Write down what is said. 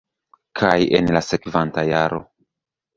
kaj en la sekvanta jaro